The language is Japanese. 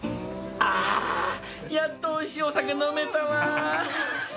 ああやっと美味しいお酒飲めたわ！